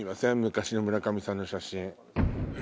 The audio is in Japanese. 昔の村上さんの写真。